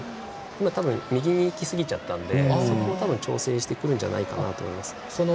多分、右にいきすぎちゃったんでそこをたぶん調整してくるんじゃないかと思います。